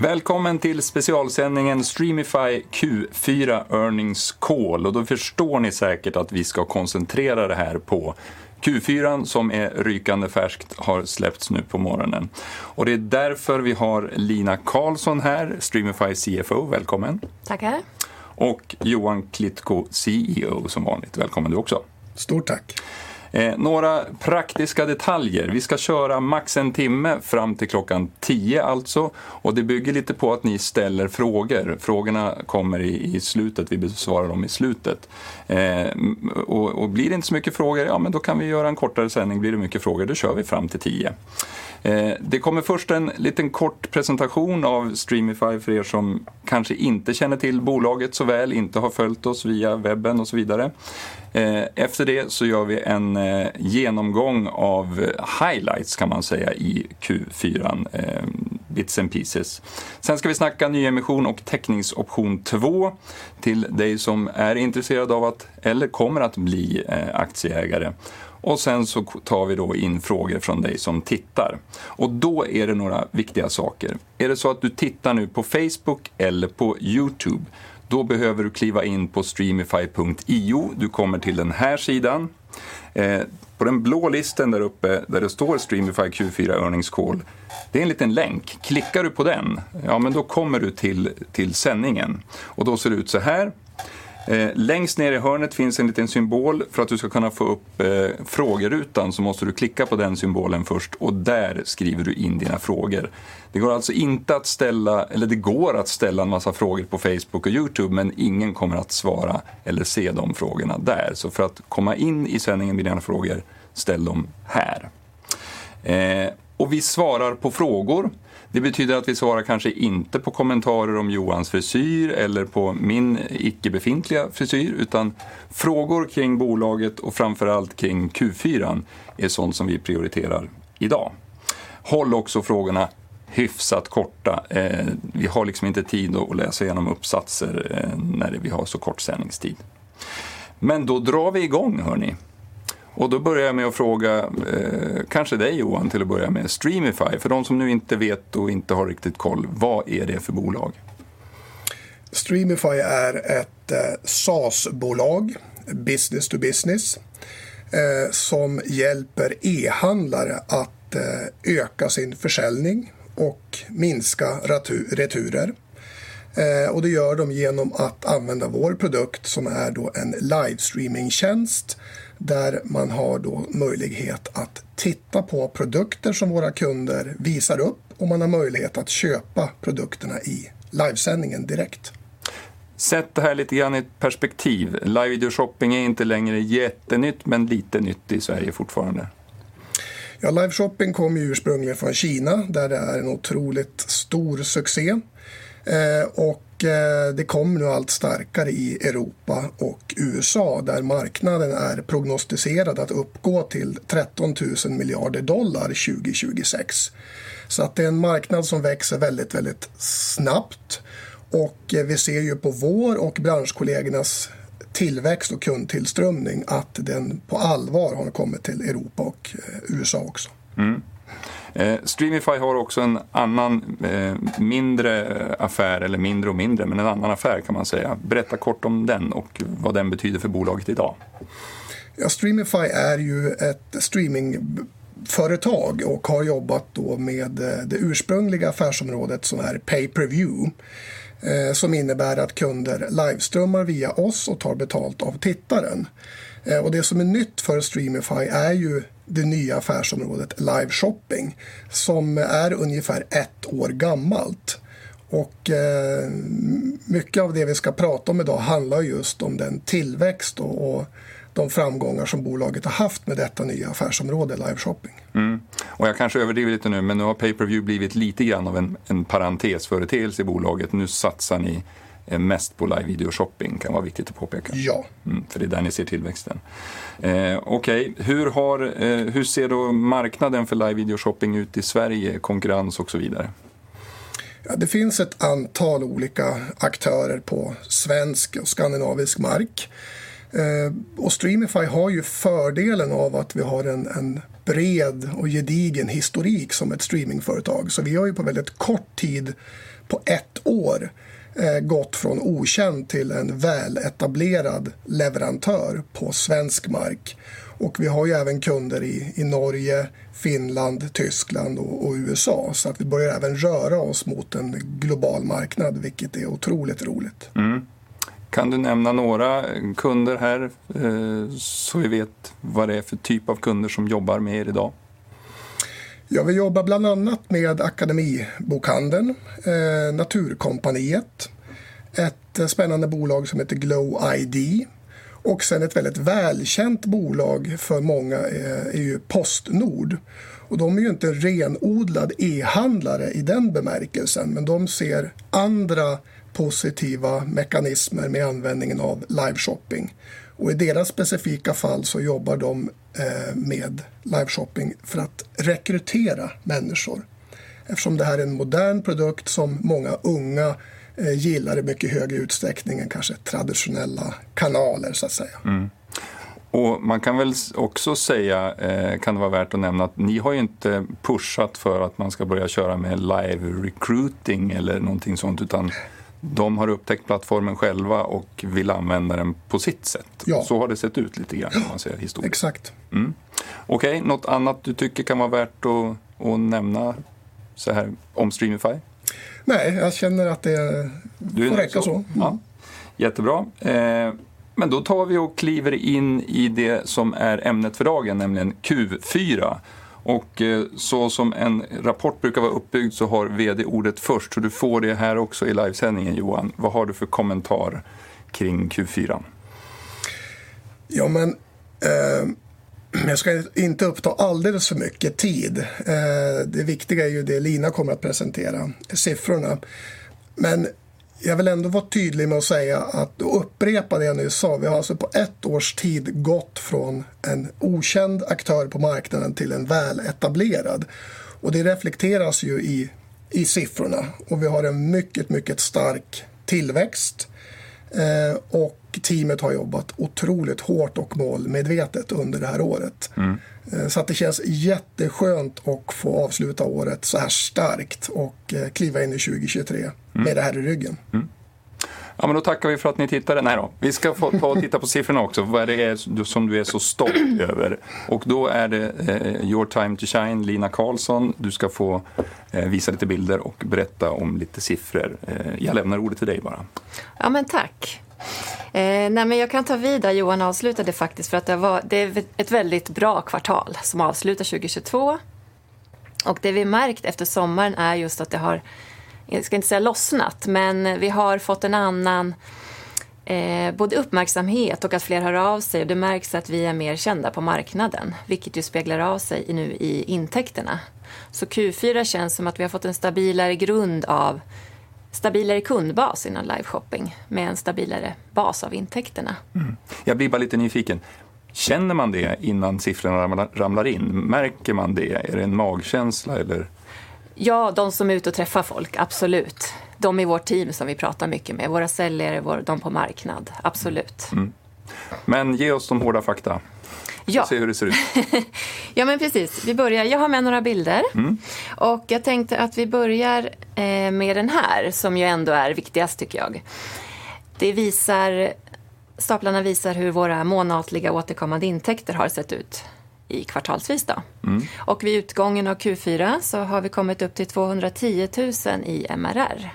Välkommen till specialsändningen Streamify Q4 Earnings Call och då förstår ni säkert att vi ska koncentrera det här på Q4 som är rykande färskt har släppts nu på morgonen. Det är därför vi har Lina Karlsson här, Streamify CFO. Välkommen. Tackar. Johan Klitkou, CEO som vanligt. Välkommen du också. Stort tack. Några praktiska detaljer. Vi ska köra max en timme fram till 10:00 A.M. alltså. Det bygger lite på att ni ställer frågor. Frågorna kommer i slutet. Vi besvarar dem i slutet. Blir det inte så mycket frågor, ja men då kan vi göra en kortare sändning. Blir det mycket frågor, då kör vi fram till 10:00 A.M. Det kommer först en liten kort presentation av Streamify för er som kanske inte känner till bolaget så väl, inte har följt oss via webben och så vidare. Efter det så gör vi en genomgång av highlights kan man säga i Q4, bits and pieces. Ska vi snacka nyemission och teckningsoption två till dig som är intresserad av att eller kommer att bli aktieägare. Sen så tar vi då in frågor från dig som tittar. Då är det några viktiga saker. Är det så att du tittar nu på Facebook eller på YouTube? Du behöver kliva in på Streamify.io. Du kommer till den här sidan. På den blå listen där uppe där det står Streamify Q4 Earnings Call, det är en liten länk. Klickar du på den? Kommer du till sändningen och ser det ut så här. Längst ner i hörnet finns en liten symbol. För att du ska kunna få upp frågerutan så måste du klicka på den symbolen först och där skriver du in dina frågor. Det går att ställa en massa frågor på Facebook och YouTube, ingen kommer att svara eller se de frågorna där. För att komma in i sändningen med dina frågor, ställ dem här. Vi svarar på frågor. Det betyder att vi svarar kanske inte på kommentarer om Johans frisyr eller på min icke befintliga frisyr, utan frågor kring bolaget och framför allt kring Q4 är sådant som vi prioriterar i dag. Håll också frågorna hyfsat korta. Vi har liksom inte tid att läsa igenom uppsatser när vi har så kort sändningstid. Då drar vi i gång hör ni. Då börjar jag med att fråga, kanske dig Johan till att börja med: Streamify. För de som nu inte vet och inte har riktigt koll, vad är det för bolag? Streamify är ett SaaS-bolag, business to business, som hjälper e-handlare att öka sin försäljning och minska returer. Det gör de genom att använda vår produkt som är då en live-streaming tjänst där man har då möjlighet att titta på produkter som våra kunder visar upp och man har möjlighet att köpa produkterna i livesändningen direkt. Sätt det här lite grann i perspektiv. Live video shopping är inte längre jättenytt, men lite nytt i Sverige fortfarande. live shopping kom ju ursprungligen från China, där det är en otroligt stor succé. Det kom nu allt starkare i Europe och USA, där marknaden är prognostiserad att uppgå till $13 trillion 2026. Det är en marknad som växer väldigt snabbt. Vi ser ju på vår och branschkollegornas tillväxt och kundtillströmning att den på allvar har kommit till Europe och USA också. Streamify har också en annan, mindre affär, eller mindre och mindre, men en annan affär kan man säga. Berätta kort om den och vad den betyder för bolaget i dag. Ja, Streamify är ju ett streamingföretag och har jobbat då med det ursprungliga affärsområdet som är pay-per-view, som innebär att kunder liveströmmar via oss och tar betalt av tittaren. Det som är nytt för Streamify är ju det nya affärsområdet live shopping, som är ungefär ett år gammalt. Mycket av det vi ska prata om i dag handlar just om den tillväxt och de framgångar som bolaget har haft med detta nya affärsområde live shopping. Mm. Jag kanske överdriver lite nu, men nu har pay-per-view blivit lite grann av en parentesföreteelse i bolaget. Nu satsar ni mest på live video shopping. Kan vara viktigt att påpeka. Ja. För det är där ni ser tillväxten. Okej, hur ser då marknaden för live video shopping ut i Sweden? Konkurrens och så vidare. Det finns ett antal olika aktörer på svensk och skandinavisk mark. Streamify har ju fördelen av att vi har en bred och gedigen historik som ett streamingföretag. Vi har ju på väldigt kort tid, på ett år, gått från okänd till en väletablerad leverantör på svensk mark. Vi har ju även kunder i Norge, Finland, Tyskland och USA. Vi börjar även röra oss mot en global marknad, vilket är otroligt roligt. Kan du nämna några kunder här, så vi vet vad det är för typ av kunder som jobbar med er i dag? Ja, vi jobbar bland annat med Akademibokhandeln, Naturkompaniet, ett spännande bolag som heter GLOWiD och sen ett väldigt välkänt bolag för många är ju PostNord. De är ju inte renodlad e-handlare i den bemärkelsen, men de ser andra positiva mekanismer med användningen av live shopping. I deras specifika fall så jobbar de, med live shopping för att rekrytera människor. Eftersom det här är en modern produkt som många unga gillar i mycket högre utsträckning än kanske traditionella kanaler, så att säga. Man kan väl också säga, kan det vara värt att nämna att ni har ju inte pushat för att man ska börja köra med live recruiting eller någonting sådant, utan de har upptäckt plattformen själva och vill använda den på sitt sätt. Ja. Har det sett ut lite grann om man säger historiskt. Exakt. Okej, något annat du tycker kan vara värt att nämna såhär om Streamify? Nej, jag känner att det får räcka så. Du är nöjd så. Jättebra. Då tar vi och kliver in i det som är ämnet för dagen, nämligen Q4. Så som en rapport brukar vara uppbyggd så har vd-ordet först. Du får det här också i livesändningen, Johan. Vad har du för kommentar kring Q4? Jag ska inte uppta alldeles för mycket tid. Det viktiga är ju det Lina kommer att presentera, det är siffrorna. Jag vill ändå vara tydlig med att säga att och upprepa det jag nyss sa. Vi har alltså på ett års tid gått från en okänd aktör på marknaden till en väletablerad. Det reflekteras ju i siffrorna. Vi har en mycket stark tillväxt. Teamet har jobbat otroligt hårt och målmedvetet under det här året. Det känns jätteskönt att få avsluta året såhär starkt och kliva in i 2023 med det här i ryggen. Tackar vi för att ni tittade. Vi ska ta och titta på siffrorna också. Vad det är som du är så stolt över. Är det your time to shine, Lina Karlsson. Du ska få visa lite bilder och berätta om lite siffror. Jag lämnar ordet till dig bara. Tack. Jag kan ta vid där Johan avslutade faktiskt för att det är ett väldigt bra kvartal som avslutar 2022. Det vi märkt efter sommaren är just att det har, jag ska inte säga lossnat, men vi har fått en annan, både uppmärksamhet och att fler hör av sig. Det märks att vi är mer kända på marknaden, vilket ju speglar av sig nu i intäkterna. Q4 känns som att vi har fått en stabilare kundbas inom live shopping med en stabilare bas av intäkterna. Jag blir bara lite nyfiken. Känner man det innan siffrorna ramlar in? Märker man det? Är det en magkänsla eller? De som är ute och träffar folk, absolut. De i vårt team som vi pratar mycket med, våra säljare, de på marknad, absolut. ge oss de hårda fakta. Ja! Få se hur det ser ut. Precis, vi börjar. Jag har med några bilder. Jag tänkte att vi börjar med den här som ju ändå är viktigast tycker jag. Staplarna visar hur våra månatliga återkommande intäkter har sett ut i kvartalsvis då. Vid utgången av Q4 så har vi kommit upp till SEK 210,000 i MRR.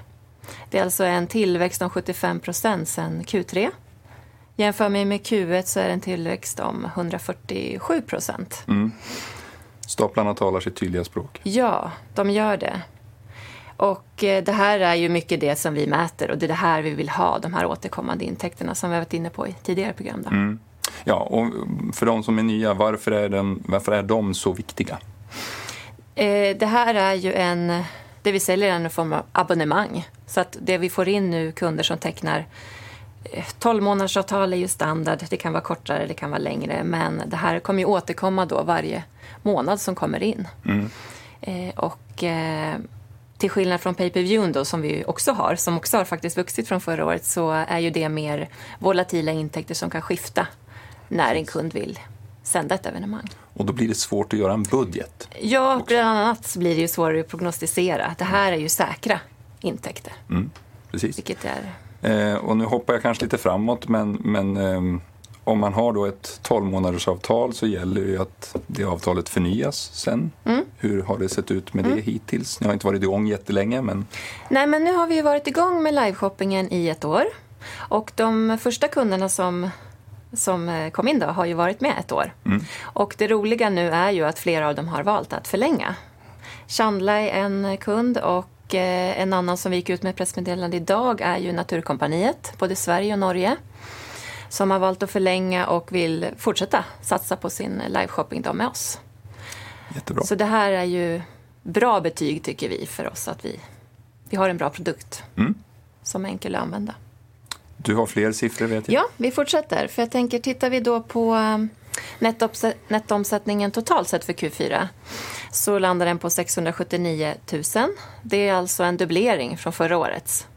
Det är alltså en tillväxt om 75% sedan Q3. Jämför man med Q1 så är det en tillväxt om 147%. Staplarna talar sitt tydliga språk. Ja, de gör det. Det här är ju mycket det som vi mäter och det är det här vi vill ha, de här återkommande intäkterna som vi har varit inne på i tidigare program då. Ja, för de som är nya, varför är den, varför är de så viktiga? Det här är ju en, det vi säljer är en form av abonnemang. Det vi får in nu, kunder som tecknar 12-månadersavtal är ju standard. Det kan vara kortare, det kan vara längre, men det här kommer ju återkomma då varje månad som kommer in. Till skillnad från pay-per-view då som vi också har, som också har faktiskt vuxit från förra året, så är ju det mer volatila intäkter som kan skifta när en kund vill sända ett evenemang. Då blir det svårt att göra en budget. Ja, bland annat blir det ju svårare att prognostisera. Det här är ju säkra intäkter. Precis. Vilket är- Nu hoppar jag kanske lite framåt, men om man har då ett 12-månadersavtal så gäller ju att det avtalet förnyas sen. Mm. Hur har det sett ut med det hittills? Ni har inte varit igång jättelänge, men. Nu har vi ju varit i gång med live shopping i one year och de första kunderna som kom in då har ju varit med one year. Det roliga nu är ju att flera av dem har valt att förlänga. Chandla är en kund och en annan som vi gick ut med ett pressmeddelande i dag är ju Naturkompaniet, både Sweden och Norway, som har valt att förlänga och vill fortsätta satsa på sin live shopping då med oss. Jättebra. Det här är ju bra betyg tycker vi för oss att vi har en bra produkt som är enkel att använda. Du har fler siffror vet jag. Ja, vi fortsätter. Jag tänker tittar vi då på nettoomsättningen totalt sett för Q4 så landar den på SEK 679,000. Det är alltså en dubblering från förra årets.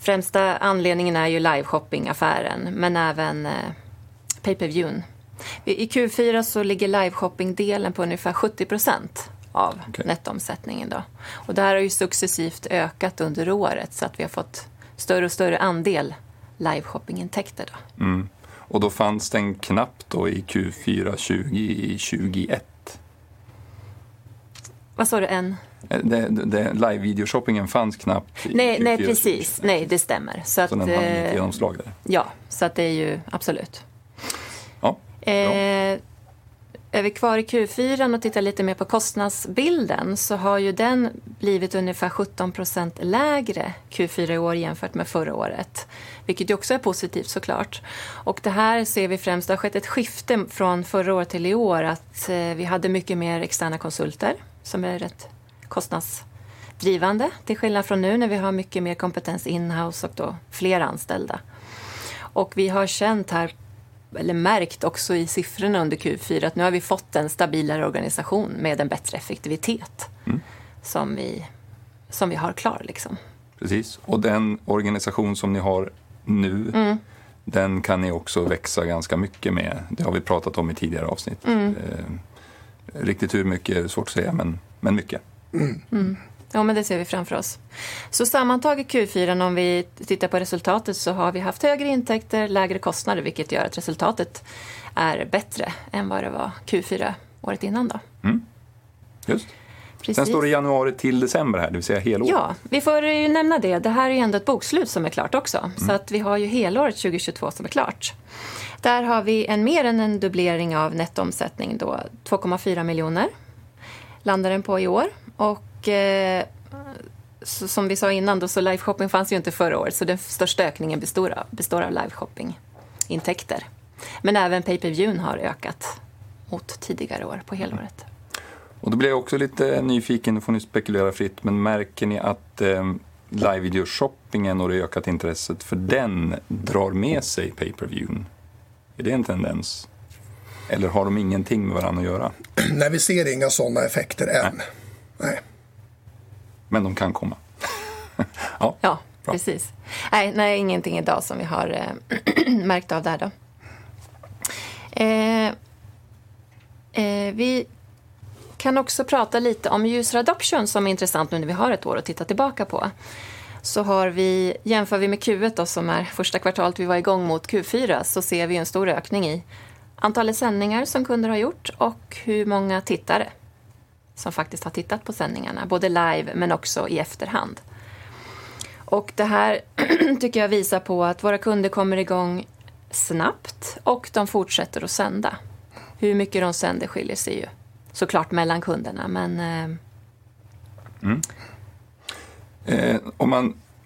Främsta anledningen är ju liveshoppingaffären, men även pay-per-viewen. I Q4 så ligger liveshoppingdelen på ungefär 70% av nettoomsättningen då. Det här har ju successivt ökat under året så att vi har fått större och större andel liveshoppingintäkter då. Då fanns den knappt då i Q4 2021. Vad sa du, en? Det live video shoppingen fanns knappt i Q4. Nej, nej, precis. Nej, det stämmer. Den var inte genomslaget. Det är ju absolut. Ja. Är vi kvar i Q4 och tittar lite mer på kostnadsbilden så har ju den blivit ungefär 17% lägre Q4 i år jämfört med förra året, vilket ju också är positivt så klart. Det här ser vi främst har skett ett skifte från förra år till i år att vi hade mycket mer externa konsulter som är rätt kostnadsdrivande. Till skillnad från nu när vi har mycket mer kompetens in-house och då flera anställda. Vi har känt här, eller märkt också i siffrorna under Q4 att nu har vi fått en stabilare organisation med en bättre effektivitet Som vi har klar liksom. Precis. Den organisation som ni har nu, den kan ni också växa ganska mycket med. Det har vi pratat om i tidigare avsnitt. Riktigt hur mycket är svårt att säga, men mycket. Det ser vi framför oss. Sammantaget Q4 om vi tittar på resultatet så har vi haft högre intäkter, lägre kostnader, vilket gör att resultatet är bättre än vad det var Q4 året innan då. Just. Det står januari till december här, det vill säga helåret. Ja, vi får ju nämna det. Det här är ju ändå ett bokslut som är klart också. Vi har ju helåret 2022 som är klart. Där har vi en mer än en dubblering av nettoomsättning då. SEK 2.4 million landar den på i år. Som vi sa innan då live shopping fanns ju inte förra år. Den största ökningen består av live shopping intäkter. Även pay-per-view har ökat mot tidigare år på helåret. Då blir jag också lite nyfiken, nu får ni spekulera fritt, men märker ni att livevideoshoppingen och det ökade intresset för den drar med sig pay-per-viewen? Är det en tendens? Eller har de ingenting med varann att göra? Nej, vi ser inga sådana effekter än. Nej. De kan komma? Ja, precis. Nej, nej, ingenting i dag som vi har märkt av där då. Vi kan också prata lite om user adoption som är intressant nu när vi har ett år att titta tillbaka på. Jämför vi med Q1 då som är första kvartalet vi var i gång mot Q4 så ser vi en stor ökning i antalet sändningar som kunder har gjort och hur många tittare som faktiskt har tittat på sändningarna, både live men också i efterhand. Det här tycker jag visar på att våra kunder kommer i gång snabbt och de fortsätter att sända. Hur mycket de sänder skiljer sig ju så klart mellan kunderna. Men...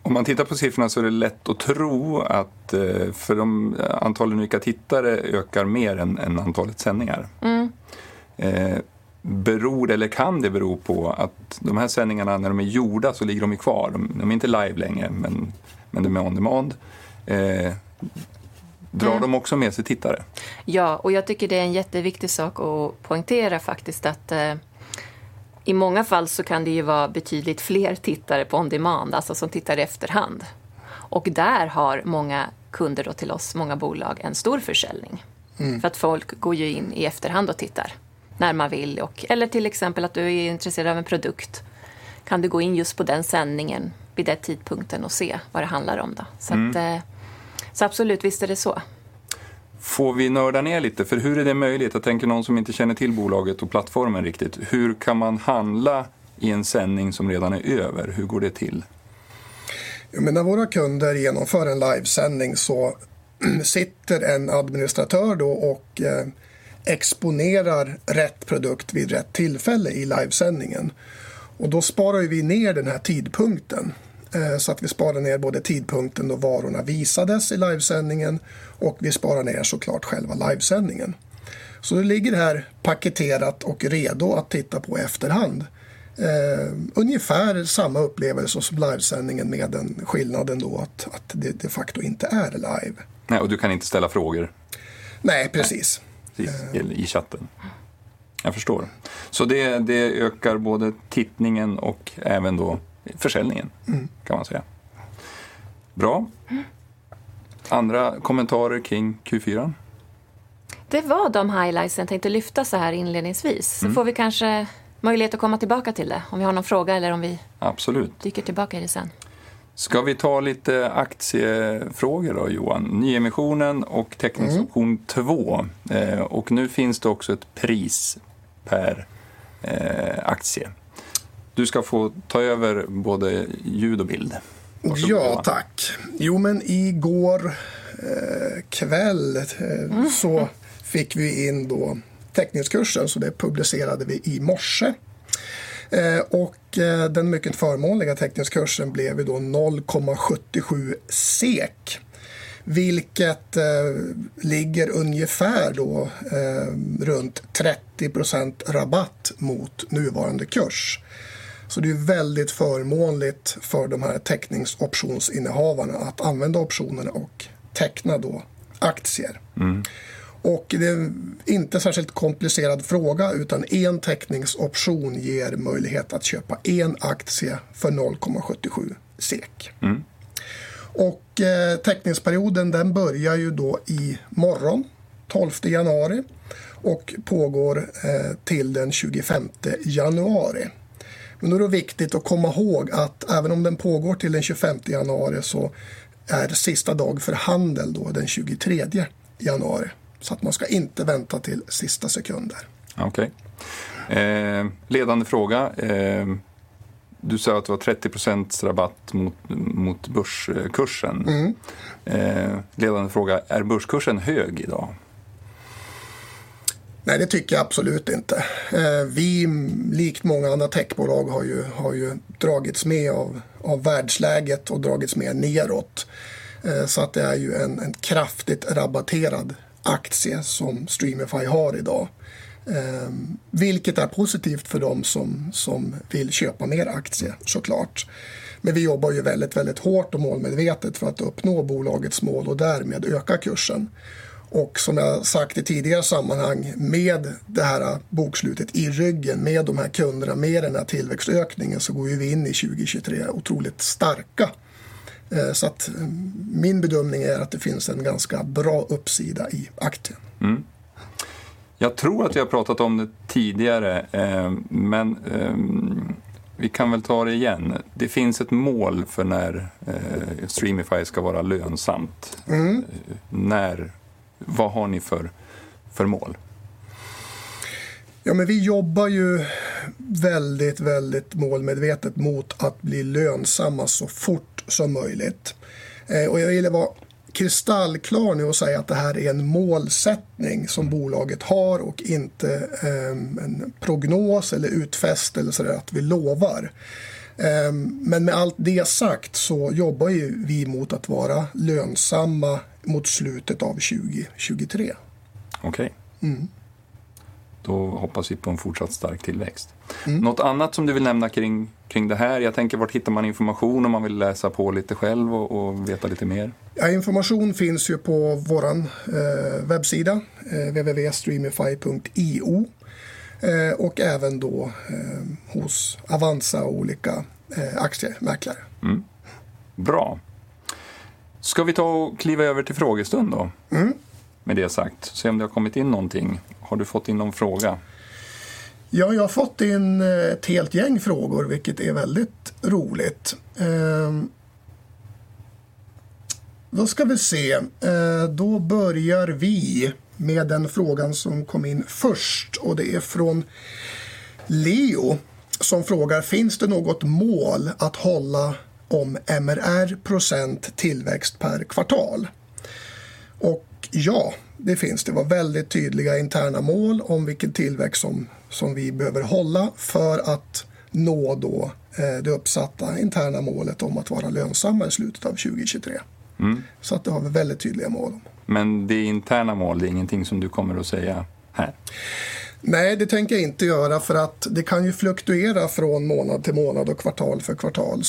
Om man tittar på siffrorna så är det lätt att tro att för de antalen unika tittare ökar mer än antalet sändningar. Beror det eller kan det bero på att de här sändningarna när de är gjorda så ligger de kvar? De är inte live längre, men det är on demand. Drar de också med sig tittare? Jag tycker det är en jätteviktig sak att poängtera faktiskt att i många fall så kan det ju vara betydligt fler tittare on demand, alltså som tittar i efterhand. Där har många kunder då till oss, många bolag, en stor försäljning. Folk går ju in i efterhand och tittar när man vill. Till exempel att du är intresserad av en produkt kan du gå in just på den sändningen vid den tidpunkten och se vad det handlar om då. Absolut, visst är det så. Får vi nörda ner lite? Hur är det möjligt? Jag tänker någon som inte känner till bolaget och plattformen riktigt. Hur kan man handla i en sändning som redan är över? Hur går det till? När våra kunder genomför en livesändning sitter en administratör då och exponerar rätt produkt vid rätt tillfälle i livesändningen. Vi sparar ner den här tidpunkten. Vi sparar ner både tidpunkten då varorna visades i livesändningen och vi sparar ner så klart själva livesändningen. Nu ligger det här paketerat och redo att titta på i efterhand. Ungefär samma upplevelse som livesändningen med den skillnaden då att det de facto inte är live. Nej. Du kan inte ställa frågor. Nej, precis. I chatten. Jag förstår. Det, det ökar både tittningen och även då försäljningen kan man säga. Bra. Andra kommentarer kring Q4? Det var de highlights jag tänkte lyfta såhär inledningsvis. Får vi kanske möjlighet att komma tillbaka till det om vi har någon fråga. Absolut ...dyker tillbaka i det sen. Ska vi ta lite aktiefrågor då Johan? Nyemissionen och Teckningsoption 2. Nu finns det också ett pris per aktie. Du ska få ta över både ljud och bild. Tack. I går kväll så fick vi in då teckningskursen, så det publicerade vi i morse. Den mycket förmånliga teckningskursen blev ju då 0.77 SEK, vilket ligger ungefär då runt 30% rabatt mot nuvarande kurs. Det är väldigt förmånligt för de här teckningsoptionsinnehavarna att använda optionerna och teckna då aktier. Det är inte särskilt komplicerad fråga, utan en teckningsoption ger möjlighet att köpa en aktie för 0.77 SEK. Teckningsperioden, den börjar ju då i morgon, 12 January, och pågår till den 25 January. Nu är det viktigt att komma ihåg att även om den pågår till den 25 January så är sista dag för handel då den 23 January. Man ska inte vänta till sista sekunder. Okay. ledande fråga. Du säger att det var 30% rabatt mot börskursen. Ledande fråga: är börskursen hög i dag? Nej, det tycker jag absolut inte. Vi, likt många andra techbolag, har ju dragits med av världsläget och dragits med nedåt. Det är ju en kraftigt rabatterad aktie som Streamify har i dag. Vilket är positivt för de som vill köpa mer aktier så klart. Vi jobbar ju väldigt hårt och målmedvetet för att uppnå bolagets mål och därmed öka kursen. Som jag sagt i tidigare sammanhang, med det här bokslutet i ryggen, med de här kunderna, med den här tillväxtökningen så går vi in i 2023 otroligt starka. Min bedömning är att det finns en ganska bra uppsida i aktien. Mm. Jag tror att vi har pratat om det tidigare, men, vi kan väl ta det igen. Det finns ett mål för när, Streamify ska vara lönsamt. Mm. Vad har ni för mål? Men vi jobbar ju väldigt målmedvetet mot att bli lönsamma så fort som möjligt. Jag gillar vara kristallklar nu och säga att det här är en målsättning som bolaget har och inte en prognos eller utfästelse eller att vi lovar. Med allt det sagt så jobbar ju vi mot att vara lönsamma mot slutet av 2023. Okej. Hoppas vi på en fortsatt stark tillväxt. Nåt annat som du vill nämna kring det här? Jag tänker vart hittar man information om man vill läsa på lite själv och veta lite mer? Ja, information finns ju på våran webbsida, www.Streamify och även då hos Avanza och olika aktiemäklare. bra. Ska vi ta och kliva över till frågestund då? Mm. Med det sagt. Se om det har kommit in nånting. Har du fått in någon fråga? Ja, jag har fått in ett helt gäng frågor, vilket är väldigt roligt. Vi ska se. Vi börjar med den frågan som kom in först och det är från Leo som frågar: Finns det något mål att hålla om MRR % tillväxt per kvartal? Ja, det finns. Det var väldigt tydliga interna mål om vilken tillväxt som vi behöver hålla för att nå det uppsatta interna målet om att vara lönsamma i slutet av 2023. Det har vi väldigt tydliga mål om. Det är interna mål, det är ingenting som du kommer att säga här? Nej, det tänker jag inte göra för att det kan ju fluktuera från månad till månad och kvartal för kvartal.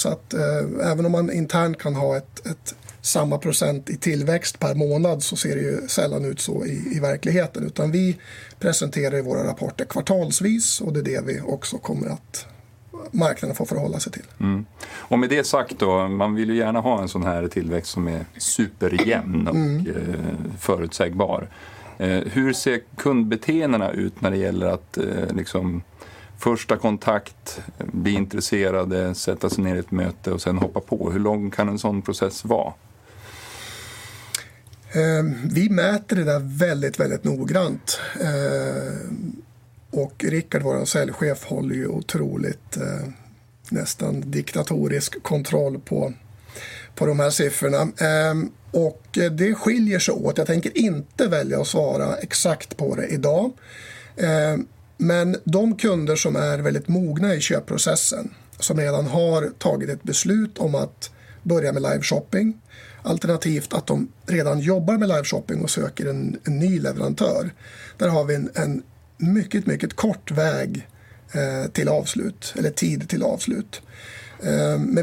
Även om man internt kan ha ett samma % i tillväxt per månad så ser det ju sällan ut så i verkligheten. Utan vi presenterar våra rapporter kvartalsvis och det är det vi också kommer att marknaden får förhålla sig till. Med det sagt då, man vill ju gärna ha en sån här tillväxt som är superjämn och förutsägbar. Hur ser kundbeteendena ut när det gäller att liksom första kontakt, bli intresserade, sätta sig ner i ett möte och sedan hoppa på? Hur lång kan en sådan process vara? Vi mäter det där väldigt noggrant. Rickard, vår säljchef, håller ju otroligt, nästan diktatorisk kontroll på de här siffrorna. Det skiljer sig åt. Jag tänker inte välja att svara exakt på det i dag. De kunder som är väldigt mogna i köpprocessen, som redan har tagit ett beslut om att börja med live shopping, alternativt att de redan jobbar med live shopping och söker en ny leverantör, där har vi en mycket kort väg till avslut eller tid till avslut.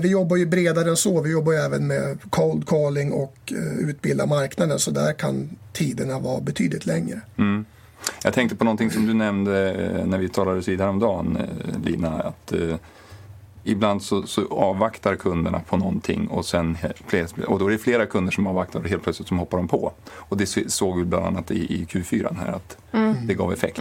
Vi jobbar ju bredare än så. Vi jobbar även med cold calling och utbildar marknaden. Där kan tiderna vara betydligt längre. Mm. Jag tänkte på någonting som du nämnde när vi talades vid häromdagen, Lina, att ibland så avvaktar kunderna på någonting och sen, och då är det flera kunder som avvaktar och helt plötsligt så hoppar de på. Det såg vi bland annat i Q4:an här att det gav effekt.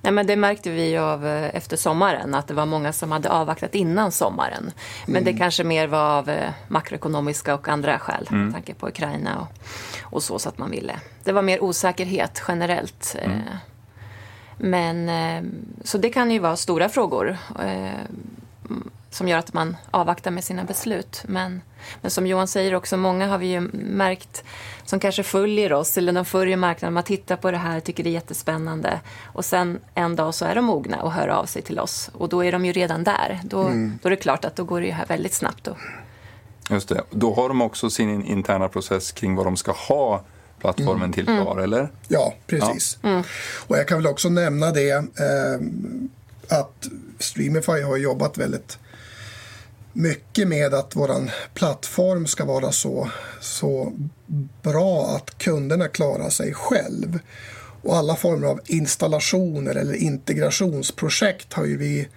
Det märkte vi av efter sommaren att det var många som hade avvaktat innan sommaren. Det kanske mer var av makroekonomiska och andra skäl. Med tanke på Ukraina och så att man ville. Det var mer osäkerhet generellt. Det kan ju vara stora frågor som gör att man avvaktar med sina beslut. Som Johan säger också, många har vi ju märkt som kanske följer oss eller de följer marknaden. Man tittar på det här, tycker det är jättespännande och sen en dag så är de mogna att höra av sig till oss och då är de ju redan där. Då är det klart att då går det här väldigt snabbt då. Just det. Har de också sin interna process kring vad de ska ha plattformen till för, eller? Precis. Jag kan väl också nämna det, att Streamify har jobbat väldigt mycket med att vår plattform ska vara så bra att kunderna klarar sig själv. Alla former av installationer eller integrationsprojekt har ju vi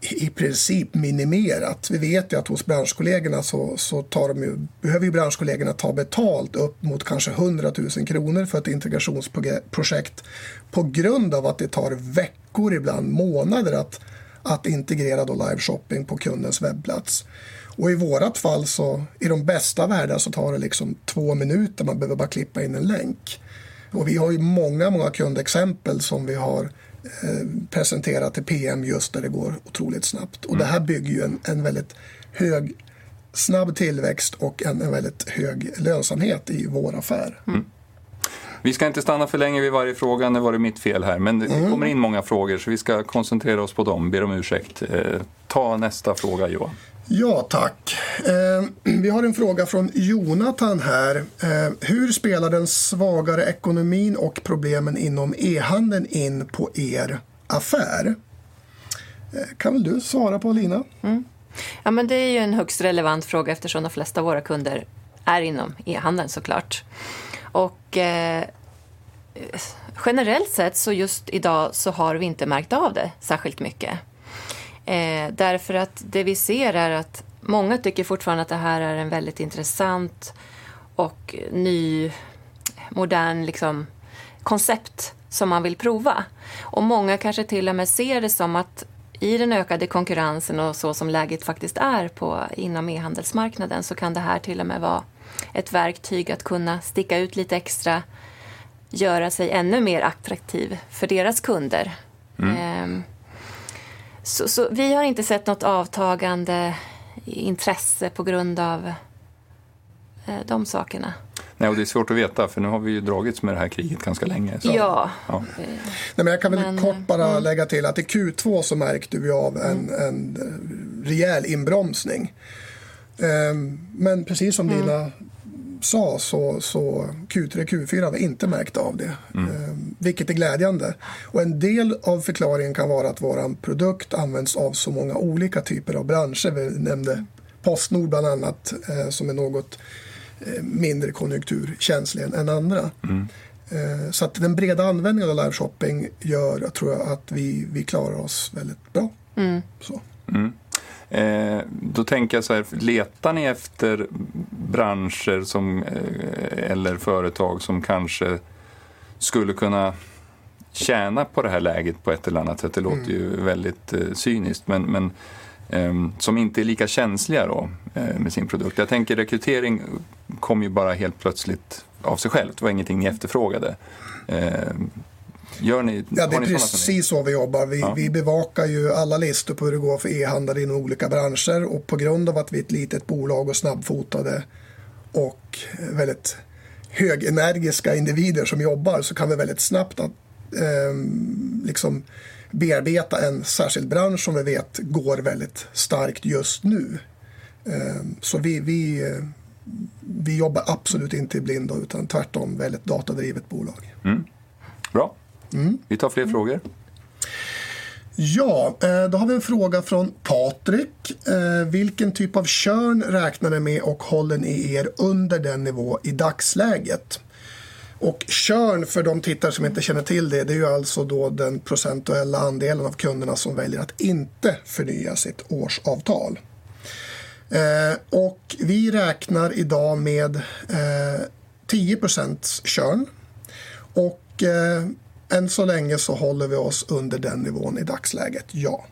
i princip minimerat. Vi vet ju att hos branschkollegorna så tar de ju, behöver ju branschkollegorna ta betalt upp mot kanske 100,000 SEK för ett integrationsprojekt på grund av att det tar veckor, ibland månader att integrera då live shopping på kundens webbplats. I vårt fall så i de bästa världar så tar det liksom 2 minuter. Man behöver bara klippa in en länk. Vi har ju många kundexempel som vi har presenterat i PM just där det går otroligt snabbt. Det här bygger ju en väldigt hög, snabb tillväxt och en väldigt hög lönsamhet i vår affär. Vi ska inte stanna för länge vid varje fråga. Nu var det mitt fel här. Det kommer in många frågor så vi ska koncentrera oss på dem. Ber om ursäkt. Ta nästa fråga, Johan. Ja, tack. Vi har en fråga från Jonathan här. Hur spelar den svagare ekonomin och problemen inom e-handeln in på er affär? Kan väl du svara Paulina? Det är ju en högst relevant fråga eftersom de flesta av våra kunder är inom e-handeln så klart. Generellt sett så just i dag så har vi inte märkt av det särskilt mycket. Därför att det vi ser är att många tycker fortfarande att det här är en väldigt intressant och ny modern, liksom, koncept som man vill prova. Många kanske till och med ser det som att i den ökade konkurrensen och så som läget faktiskt är på, inom e-handelsmarknaden, så kan det här till och med vara ett verktyg att kunna sticka ut lite extra, göra sig ännu mer attraktiv för deras kunder. Vi har inte sett något avtagande intresse på grund av de sakerna. Nej, det är svårt att veta för nu har vi ju dragits med det här kriget ganska länge. Ja. Jag kan väl kort bara lägga till att i Q2 så märkte vi av en rejäl inbromsning. Precis som Lilla sa så Q3, Q4 har vi inte märkt av det, vilket är glädjande. En del av förklaringen kan vara att vår produkt används av så många olika typer av branscher. Vi nämnde PostNord bland annat, som är något mindre konjunkturkänslig än andra. Den breda användningen av liveshopping gör tror jag att vi klarar oss väldigt bra. Tänker jag såhär, letar ni efter branscher som, eller företag som kanske skulle kunna tjäna på det här läget på ett eller annat sätt? Det låter ju väldigt cyniskt, men som inte är lika känsliga då med sin produkt. Jag tänker rekrytering kom ju bara helt plötsligt av sig själv. Det var ingenting ni efterfrågade. Gör ni? Ja, det är precis så vi jobbar. Vi bevakar ju alla listor på hur det går för e-handlare inom olika branscher och på grund av att vi är ett litet bolag och snabbfotade och väldigt högenergiska individer som jobbar så kan vi väldigt snabbt att liksom bearbeta en särskild bransch som vi vet går väldigt starkt just nu. Vi jobbar absolut inte i blindo, utan tvärtom väldigt datadrivet bolag. Bra. Vi tar fler frågor. Ja, då har vi en fråga från Patrik. Vilken typ av churn räknar ni med och håller ni er under den nivå i dagsläget? Churn för de tittare som inte känner till det är ju alltså då den procentuella andelen av kunderna som väljer att inte förnya sitt årsavtal. Vi räknar i dag med 10% churn och än så länge så håller vi oss under den nivån i dagsläget, ja.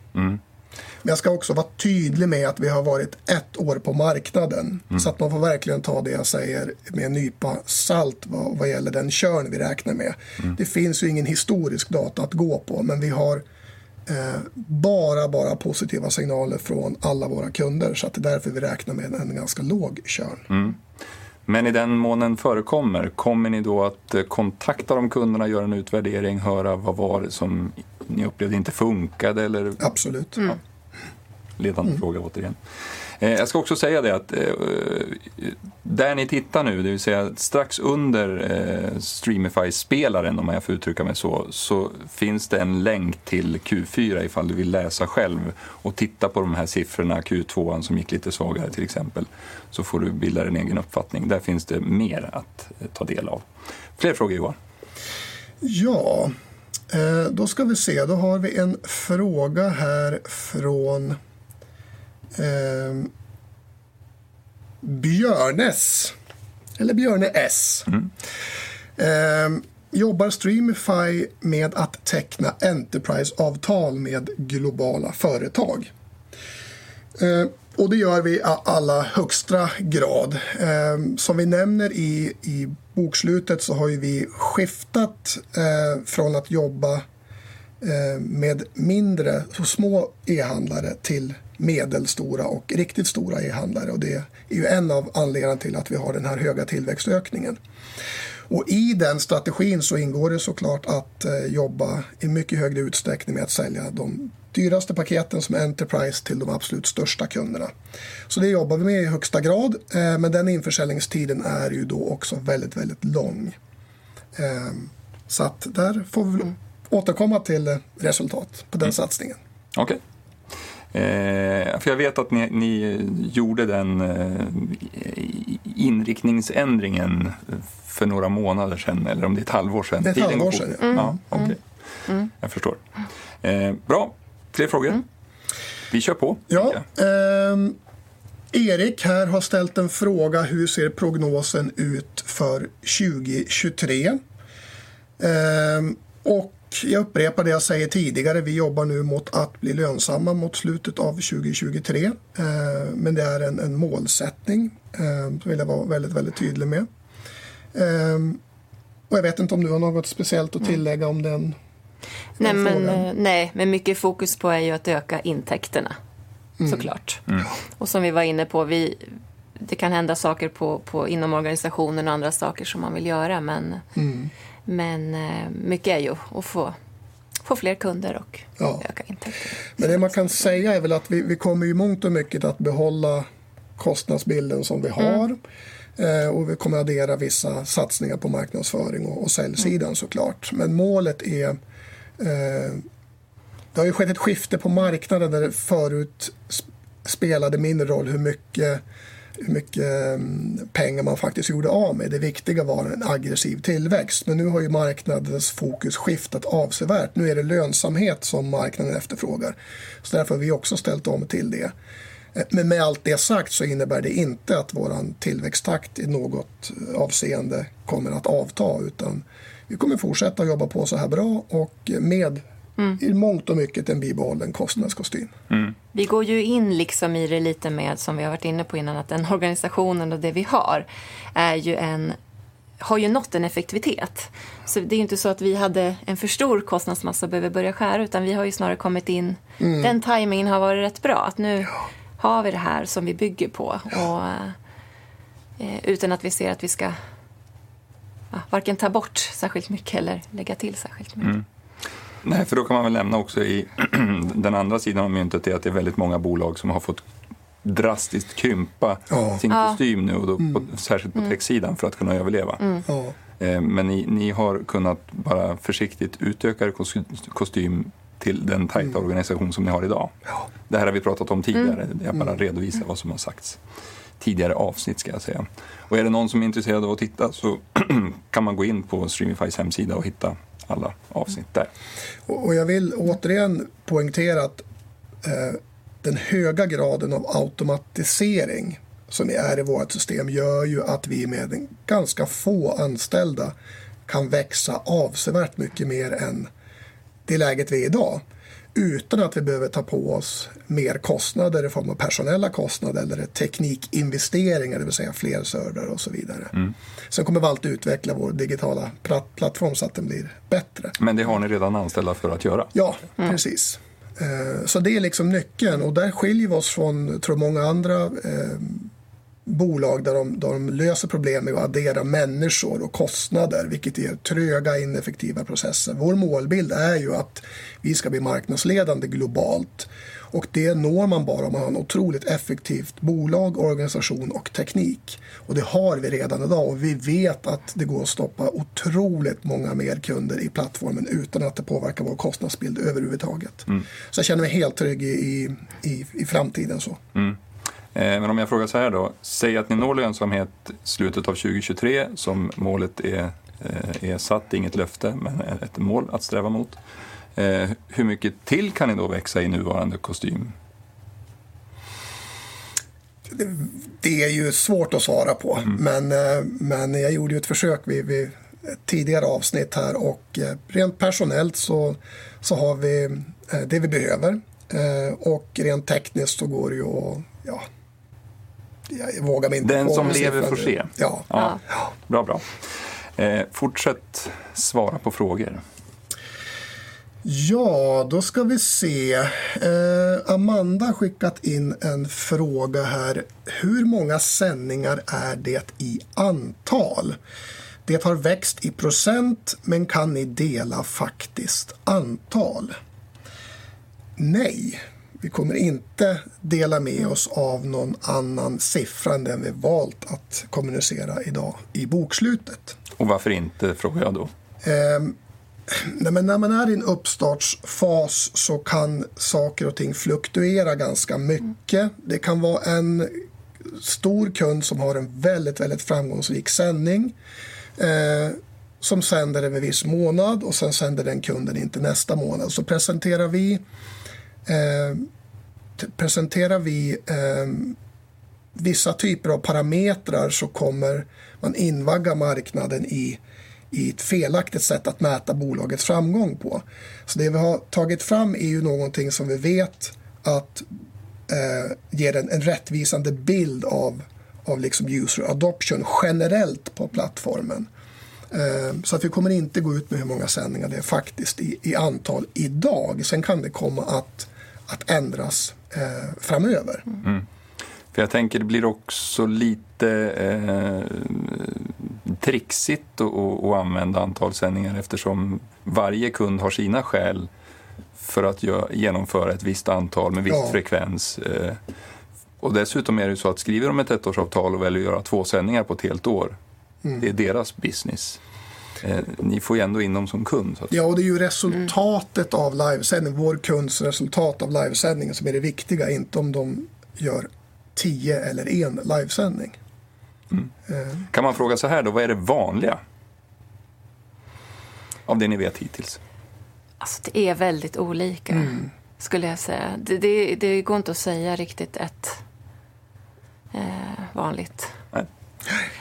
Jag ska också vara tydlig med att vi har varit 1 år på marknaden. Man får verkligen ta det jag säger med en nypa salt vad gäller den churn vi räknar med. Det finns ju ingen historisk data att gå på, men vi har bara positiva signaler från alla våra kunder. Det är därför vi räknar med en ganska låg churn. I den mån den förekommer, kommer ni då att kontakta de kunderna, göra en utvärdering, höra vad var det som ni upplevde inte funkade, eller? Absolut. Ledande fråga återigen. Jag ska också säga det att där ni tittar nu, det vill säga strax under Streamify-spelaren, om jag får uttrycka mig så finns det en länk till Q4 ifall du vill läsa själv och titta på de här siffrorna, Q2:an som gick lite svagare till exempel, så får du bilda dig en egen uppfattning. Där finns det mer att ta del av. Fler frågor Johan. Ja, då ska vi se. Då har vi en fråga här från Björnes eller Björne S. Jobbar Streamify med att teckna enterpriseavtal med globala företag? Det gör vi i alla högsta grad. Som vi nämner i bokslutet så har ju vi skiftat från att jobba med mindre och små e-handlare till medelstora och riktigt stora e-handlare. Det är ju en av anledningen till att vi har den här höga tillväxtökningen. I den strategin så ingår det så klart att jobba i mycket högre utsträckning med att sälja de dyraste paketen som är enterprise till de absolut största kunderna. Det jobbar vi med i högsta grad, men den införsäljningstiden är ju då också väldigt lång. Där får vi återkomma till resultat på den satsningen. Okay. Jag vet att ni gjorde den inriktningsändringen för några månader sedan eller om det är ett halvår sedan. Ett halvår sedan, ja. Ja, okej, jag förstår. Bra. Fler frågor? Vi kör på. Ja, Erik här har ställt en fråga: Hur ser prognosen ut för 2023? Jag upprepar det jag säger tidigare. Vi jobbar nu mot att bli lönsamma mot slutet av 2023. Det är en målsättning. Det vill jag vara väldigt tydlig med. Jag vet inte om du har något speciellt att tillägga om den frågan. Mycket fokus på är ju att öka intäkterna så klart. Som vi var inne på, det kan hända saker på inom organisationen och andra saker som man vill göra. Mycket är ju att Få fler kunder och öka intäkter. Det man kan säga är väl att vi kommer ju i mångt och mycket att behålla kostnadsbilden som vi har. Vi kommer addera vissa satsningar på marknadsföring och säljsidan så klart. Målet är. Det har ju skett ett skifte på marknaden där det förut spelade mindre roll hur mycket pengar man faktiskt gjorde av med. Det viktiga var en aggressiv tillväxt, men nu har ju marknadens fokus skiftat avsevärt. Nu är det lönsamhet som marknaden efterfrågar. Därför har vi också ställt om till det. Med allt det sagt så innebär det inte att vår tillväxttakt i något avseende kommer att avta, utan vi kommer fortsätta jobba på såhär bra och med i mångt och mycket en bibehållen kostnadskostym. Vi går ju in liksom i det lite med, som vi har varit inne på innan, att den organisationen och det vi har är ju en, har ju nått en effektivitet. Det är inte så att vi hade en för stor kostnadsmassa och behöver börja skära, utan vi har ju snarare kommit in. Den tajmingen har varit rätt bra att nu har vi det här som vi bygger på. utan att vi ser att vi ska, ja, varken ta bort särskilt mycket eller lägga till särskilt mycket. Nej, för då kan man väl lämna också i den andra sidan av myntet är att det är väldigt många bolag som har fått drastiskt krympa sin kostym nu, och då särskilt på tech-sidan, för att kunna överleva. Ni har kunnat bara försiktigt utöka er kostym till den tajta organisation som ni har i dag. Det här har vi pratat om tidigare. Jag bara redovisar vad som har sagts tidigare avsnitt ska jag säga. Är det någon som är intresserad av att titta så kan man gå in på Streamify hemsida och hitta alla avsnitt där. Jag vill återigen poängtera att den höga graden av automatisering som är i vårt system gör ju att vi med ganska få anställda kan växa avsevärt mycket mer än det läget vi är i dag, utan att vi behöver ta på oss mer kostnader i form av personella kostnader eller teknikinvesteringar, det vill säga fler servrar och så vidare. Kommer vi alltid utveckla vår digitala plattform så att den blir bättre. Det har ni redan anställda för att göra. Ja, precis. Det är liksom nyckeln och där skiljer vi oss från tror många andra bolag där de löser problem med att addera människor och kostnader, vilket ger tröga ineffektiva processer. Vår målbild är ju att vi ska bli marknadsledande globalt och det når man bara om man har ett otroligt effektivt bolag, organisation och teknik. Det har vi redan i dag och vi vet att det går att stoppa otroligt många mer kunder i plattformen utan att det påverkar vår kostnadsbild överhuvudtaget. Jag känner mig helt trygg i framtiden så. Om jag frågar såhär då, säg att ni når lönsamhet slutet av 2023 som målet är satt, inget löfte, men är ett mål att sträva mot. Hur mycket till kan ni då växa i nuvarande kostym? Det är ju svårt att svara på, men jag gjorde ju ett försök vid ett tidigare avsnitt här och rent personellt så har vi det vi behöver. Rent tekniskt så går det ju och, ja, jag vågar mig inte. Den som lever får se. Ja. Ja, bra. Fortsätt svara på frågor. Ja, då ska vi se. Amanda har skickat in en fråga här: Hur många sändningar är det i antal? Det har växt i %, men kan ni dela faktiskt antal? Nej, vi kommer inte dela med oss av någon annan siffra än den vi valt att kommunicera i dag i bokslutet. Varför inte, frågar jag då? Nej men när man är i en uppstartsfas så kan saker och ting fluktuera ganska mycket. Det kan vara en stor kund som har en väldigt framgångsrik sändning, som sänder en viss månad och sen sänder den kunden inte nästa månad. Presenterar vi vissa typer av parametrar så kommer man invagga marknaden i ett felaktigt sätt att mäta bolagets framgång på. Det vi har tagit fram är ju någonting som vi vet att ger en rättvisande bild av liksom user adoption generellt på plattformen. Vi kommer inte gå ut med hur många sändningar det är faktiskt i antal i dag. Kan det komma att ändras framöver. Mm. För jag tänker det blir också lite trixigt att använda antal sändningar eftersom varje kund har sina skäl för att genomföra ett visst antal med viss frekvens. Dessutom är det ju så att skriver de ett ettårsavtal och väljer att göra två sändningar på ett helt år, det är deras business. Ni får ju ändå in dem som kund så att säga. Det är ju resultatet av livesändning, vår kunds resultat av livesändningen som är det viktiga, inte om de gör 10 eller 1 livesändning. Kan man fråga såhär då, vad är det vanliga? Av det ni vet hittills. Det är väldigt olika skulle jag säga. Det går inte att säga riktigt ett vanligt.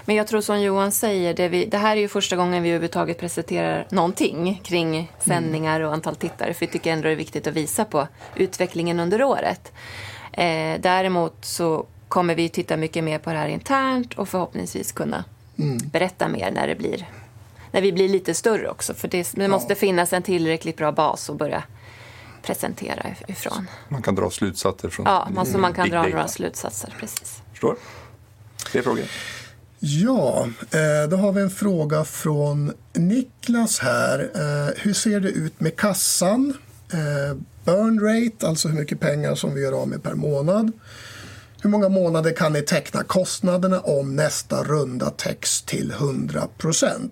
Jag tror som Johan säger, det här är ju första gången vi överhuvudtaget presenterar någonting kring sändningar och antal tittare. Vi tycker ändå det är viktigt att visa på utvecklingen under året. Däremot kommer vi titta mycket mer på det här internt och förhoppningsvis kunna berätta mer när det blir, när vi blir lite större också. Det måste finnas en tillräckligt bra bas att börja presentera ifrån. Man kan dra slutsatser. Ja, som man kan dra några slutsatser, precis. Förstår. Fler frågor? Ja, då har vi en fråga från Niklas här. Hur ser det ut med kassan? burn rate, alltså hur mycket pengar som vi gör av med per månad. Hur många månader kan ni täcka kostnaderna om nästa runda täcks till 100%?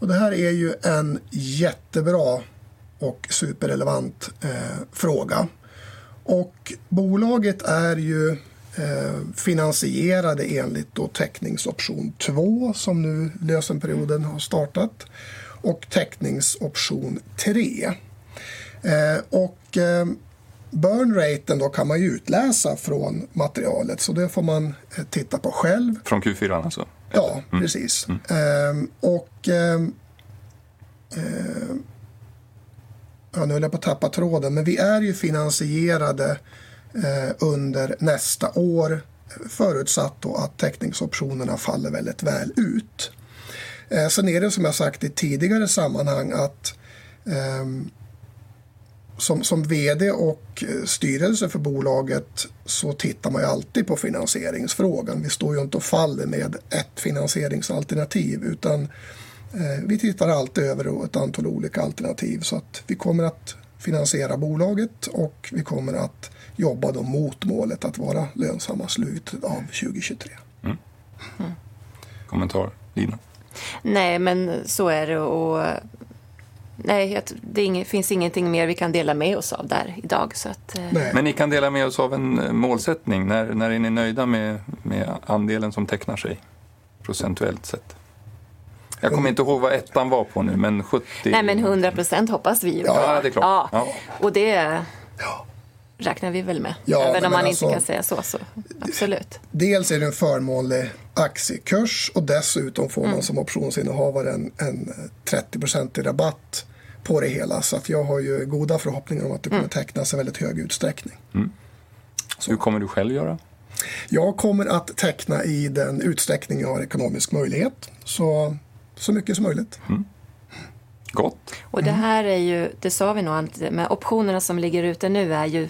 Det här är ju en jättebra och superrelevant fråga. Bolaget är ju finansierade enligt då teckningsoption två som nu lösenperioden har startat och teckningsoption tre. burn raten då kan man ju utläsa från materialet, så det får man titta på själv. Från Q4 alltså? Ja, precis. Nu höll jag på att tappa tråden, men vi är ju finansierade under nästa år förutsatt då att teckningsoptionerna faller väldigt väl ut. Sen är det som jag sagt i tidigare sammanhang att, som vd och styrelse för bolaget så tittar man ju alltid på finansieringsfrågan. Vi står ju inte och faller med ett finansieringsalternativ, utan vi tittar alltid över ett antal olika alternativ. Vi kommer att finansiera bolaget och vi kommer att jobba då mot målet att vara lönsamma slut av 2023. Kommentar, Lina? Nej, men så är det. Nej. Det finns ingenting mer vi kan dela med oss av där i dag. Ni kan dela med oss av en målsättning. När, när är ni nöjda med andelen som tecknar sig procentuellt sett? Jag kommer inte ihåg vad ettan var på nu, men 70%? Nej, 100% hoppas vi ju. Ja, det är klart. Det räknar vi väl med. Även om man inte kan säga så, absolut. Dels är det en förmånlig aktiekurs och dessutom får man som optionsinnehavare en 30% rabatt på det hela. Jag har ju goda förhoppningar om att det kommer tecknas en väldigt hög utsträckning. Hur kommer du själv göra? Jag kommer att teckna i den utsträckning jag har ekonomisk möjlighet. så mycket som möjligt. Gott. Det här är ju, det sa vi nog alltid, men optionerna som ligger ute nu är ju,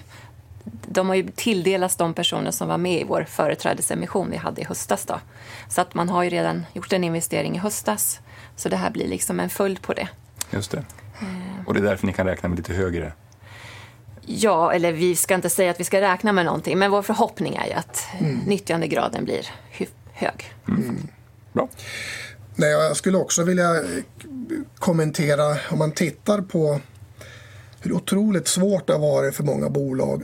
de har ju tilldelats de personer som var med i vår företrädesemission vi hade i höstas då. Man har ju redan gjort en investering i höstas. Det här blir liksom en följd på det. Just det. Det är därför ni kan räkna med lite högre? Vi ska inte säga att vi ska räkna med någonting, men vår förhoppning är ju att nyttjandegraden blir hög. Bra. Nej, jag skulle också vilja kommentera om man tittar på hur otroligt svårt det har varit för många bolag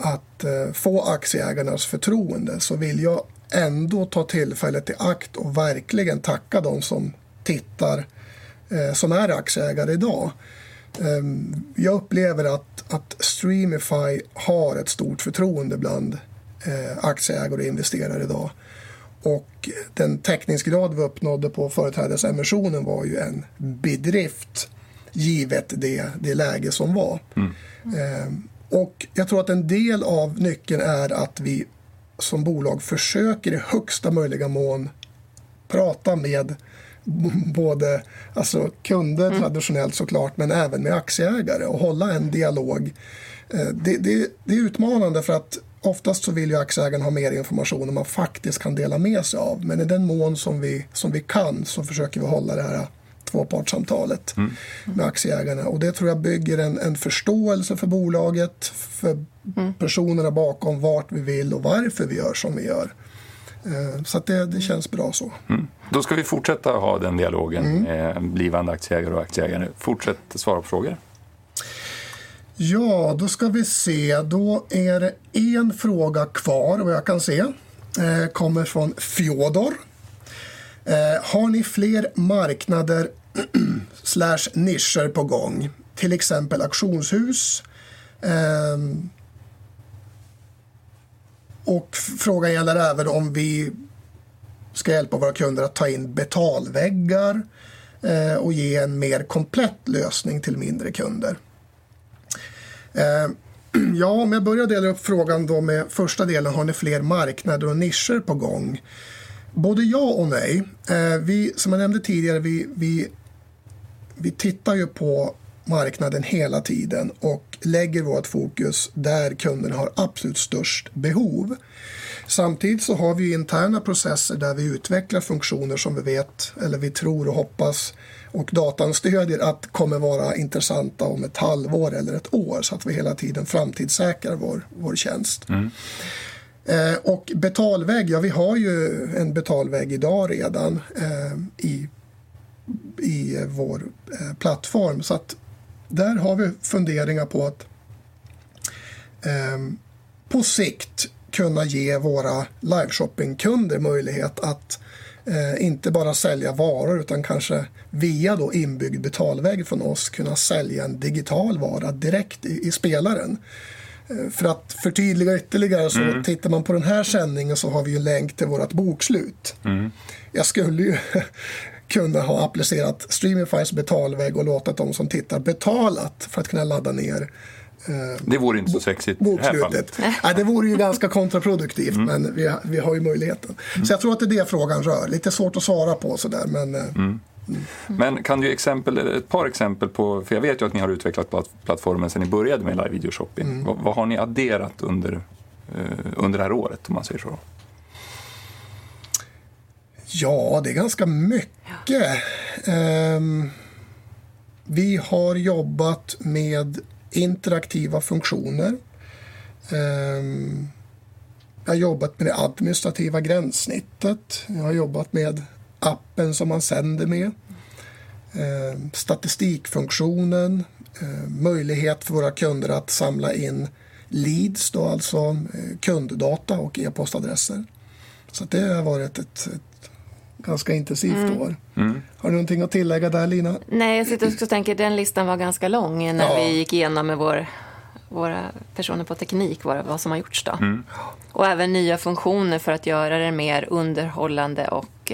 att få aktieägarnas förtroende. Vill jag ändå ta tillfället i akt och verkligen tacka de som tittar, som är aktieägare i dag. Jag upplever att Streamify har ett stort förtroende bland aktieägare och investerare i dag. Den teckningsgrad vi uppnådde på företrädesemissionen var ju en bedrift givet det läge som var. Jag tror att en del av nyckeln är att vi som bolag försöker i högsta möjliga mån prata med både, alltså kunder traditionellt så klart, men även med aktieägare och hålla en dialog. Det är utmanande för att oftast så vill ju aktieägaren ha mer information än man faktiskt kan dela med sig av. I den mån som vi, som vi kan så försöker vi hålla det här tvåpartssamtalet med aktieägarna. Det tror jag bygger en förståelse för bolaget, för personerna bakom, vart vi vill och varför vi gör som vi gör. Det känns bra så. Då ska vi fortsätta ha den dialogen med blivande aktieägare och aktieägare. Fortsätt svara på frågor. Då ska vi se. Är det en fråga kvar vad jag kan se. Kommer från Fjodor: Har ni fler marknader slash nischer på gång? Till exempel auktionshus. Frågan gäller även om vi ska hjälpa våra kunder att ta in betalväggar, och ge en mer komplett lösning till mindre kunder. Jag börjar dela upp frågan då med första delen: Har ni fler marknader och nischer på gång? Både ja och nej. Vi, som jag nämnde tidigare, vi tittar ju på marknaden hela tiden och lägger vårt fokus där kunden har absolut störst behov. Samtidigt så har vi interna processer där vi utvecklar funktioner som vi vet eller vi tror och hoppas och datan stödjer att kommer vara intressanta om ett halvår eller ett år så att vi hela tiden framtidssäkrar vår tjänst. Betalvägg, ja, vi har ju en betalvägg i dag redan i vår plattform. Där har vi funderingar på att på sikt kunna ge våra liveshoppingkunder möjlighet att inte bara sälja varor, utan kanske via då inbyggd betalväg från oss kunna sälja en digital vara direkt i spelaren. För att förtydliga ytterligare så tittar man på den här sändningen så har vi ju länk till vårt bokslut. Jag skulle ju kunna ha applicerat Streamifys betalväg och låtit de som tittar betalat för att kunna ladda ner- Det vore inte så sexigt i det här fallet. Nej, det vore ju ganska kontraproduktivt, men vi har ju möjligheten. Jag tror att det är det frågan rör. Lite svårt att svara på sådär, men... Kan du exempel, ett par exempel på, för jag vet ju att ni har utvecklat plattformen sedan ni började med live video shopping. Vad har ni adderat under det här året om man säger så? Ja, det är ganska mycket. Vi har jobbat med interaktiva funktioner. Jag har jobbat med det administrativa gränssnittet. Jag har jobbat med appen som man sänder med, statistikfunktionen, möjlighet för våra kunder att samla in leads då alltså kunddata och e-postadresser. Det har varit ett ganska intensivt år. Har du någonting att tillägga där, Lina? Nej, jag sitter och tänker den listan var ganska lång när vi igenom med våra personer på teknik, vad som har gjorts då. Även nya funktioner för att göra det mer underhållande och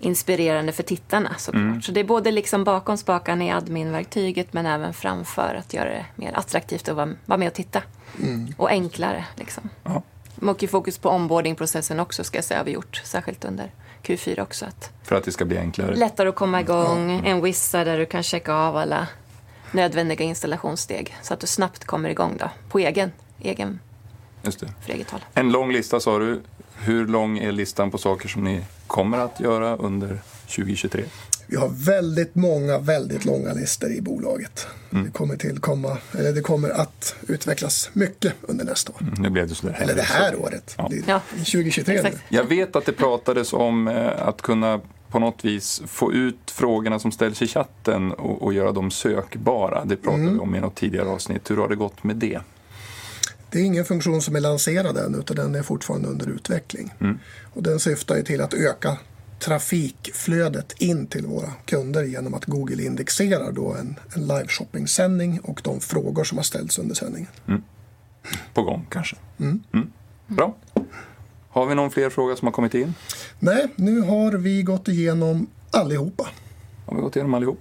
inspirerande för tittarna så klart. Det är både liksom bakom spakarna i admin-verktyget, men även framför att göra det mer attraktivt att vara med och titta. Enklare liksom. Fokus på onboarding-processen också ska jag säga har vi gjort, särskilt under Q4 också. För att det ska bli enklare. Lättare att komma i gång. En wizard där du kan checka av alla nödvändiga installationssteg så att du snabbt kommer i gång då på egen, för eget håll. En lång lista sa du. Hur lång är listan på saker som ni kommer att göra under 2023? Vi har väldigt många, väldigt långa listor i bolaget. Det kommer att utvecklas mycket under nästa år. Nu blev det så där. Det här året. Det är 2023 nu. Jag vet att det pratades om att kunna på något vis få ut frågorna som ställs i chatten och göra dem sökbara. Det pratade vi om i något tidigare avsnitt. Hur har det gått med det? Det är ingen funktion som är lanserad än, utan den är fortfarande under utveckling. Den syftar ju till att öka trafikflödet in till våra kunder igenom att Google indexerar då en liveshoppingsändning och de frågor som har ställts under sändningen. På gång kanske. Bra. Har vi någon fler fråga som har kommit in? Nej, nu har vi gått igenom allihopa. Har vi gått igenom allihop?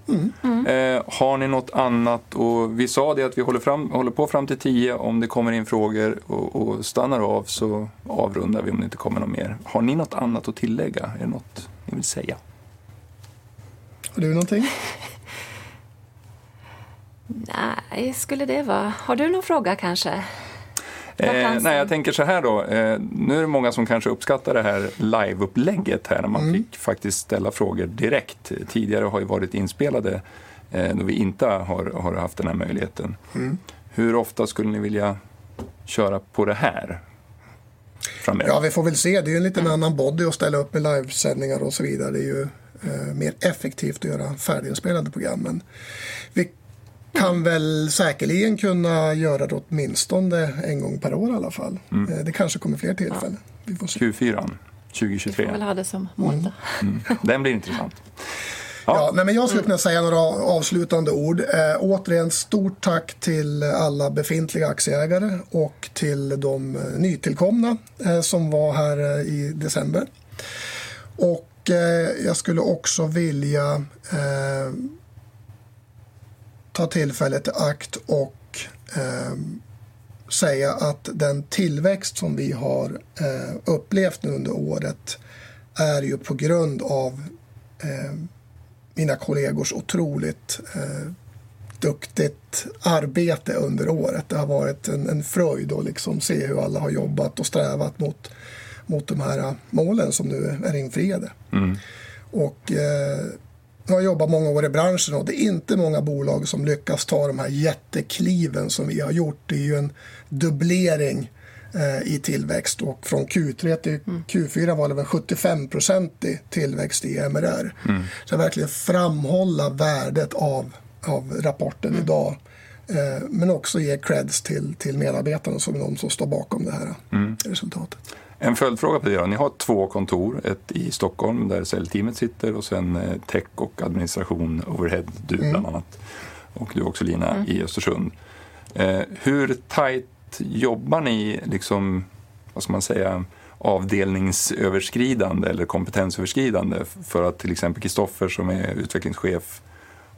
Har ni något annat? Vi sa det att vi håller på fram till 10. Om det kommer in frågor och stannar av så avrundar vi om det inte kommer något mer. Har ni något annat att tillägga? Är det något ni vill säga? Har du någonting? Nej, skulle det vara? Har du någon fråga kanske? Nej, jag tänker såhär då. Nu är det många som kanske uppskattar det här live-upplägget här. Man fick faktiskt ställa frågor direkt. Tidigare har ju varit inspelade då vi inte har haft den här möjligheten. Hur ofta skulle ni vilja köra på det här framöver? Ja, vi får väl se. Det är ju en liten annan body att ställa upp med livesändningar och så vidare. Det är ju mer effektivt att göra färdiginspelade program. Vi kan väl säkerligen kunna göra det åtminstone en gång per år i alla fall. Det kanske kommer fler tillfällen. Vi får se. Q4, 2023. Vi får väl ha det som mål då. Den blir intressant. Ja, nej men jag skulle kunna säga några avslutande ord. Återigen, stort tack till alla befintliga aktieägare och till de nytillkomna som var här i december. Jag skulle också vilja ta tillfället i akt och säga att den tillväxt som vi har upplevt nu under året är ju på grund av mina kollegors otroligt duktigt arbete under året. Det har varit en fröjd att liksom se hur alla har jobbat och strävat mot de här målen som nu är infriade. Jag har jobbat många år i branschen och det är inte många bolag som lyckas ta de här jättekliven som vi har gjort. Det är ju en dubblering i tillväxt och från Q3 till Q4 var det väl 75% tillväxt i MRR. Jag verkligen framhålla värdet av rapporten i dag, men också ge creds till medarbetarna som är de som står bakom det här resultatet. En följdfråga på det då. Ni har two kontor, ett i Stockholm där säljteamet sitter och sen tech och administration, overhead, du bland annat, och jag också, Lina, i Östersund. Hur tajt jobbar ni liksom, vad ska man säga, avdelningsöverskridande eller kompetensöverskridande? För att till exempel Christoffer som är utvecklingschef,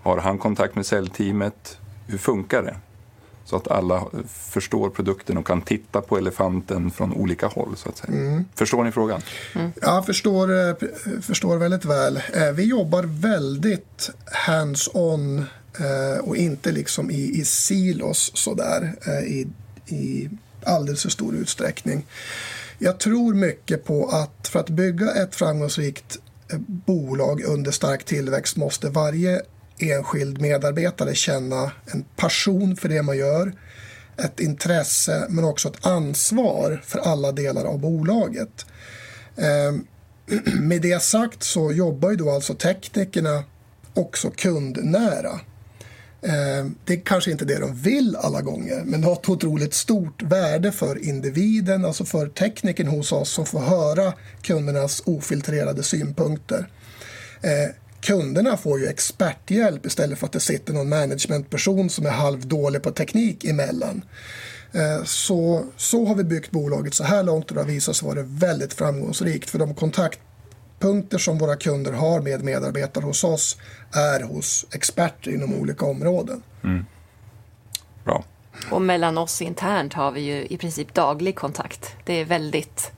har han kontakt med säljteamet? Hur funkar det? Så att alla förstår produkten och kan titta på elefanten från olika håll så att säga. Förstår ni frågan? Ja, jag förstår väldigt väl. Vi jobbar väldigt hands on och inte liksom i silos sådär i alldeles för stor utsträckning. Jag tror mycket på att för att bygga ett framgångsrikt bolag under stark tillväxt måste varje enskild medarbetare känna en passion för det man gör, ett intresse men också ett ansvar för alla delar av bolaget. Med det sagt jobbar ju då alltså teknikerna också kundnära. Det är kanske inte det de vill alla gånger, det har ett otroligt stort värde för individen, alltså för teknikern hos oss som får höra kundernas ofiltrerade synpunkter. Kunderna får ju experthjälp istället för att det sitter någon managementperson som är halvdålig på teknik emellan. Har vi byggt bolaget såhär långt och det har visat sig vara väldigt framgångsrikt för de kontaktpunkter som våra kunder har med medarbetare hos oss är hos experter inom olika områden. Bra. Mellan oss internt har vi ju i princip daglig kontakt. Det är väldigt,